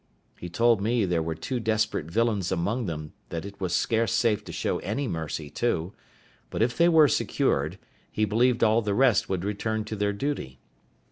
He told me there were two desperate villains among them that it was scarce safe to show any mercy to; but if they were secured, he believed all the rest would return to their duty.